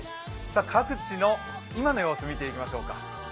各地の今の様子見ていきましょう。